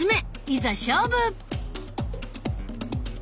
いざ勝負！